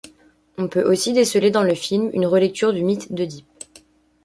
On peut aussi déceler dans le film une relecture du mythe d’Œdipe.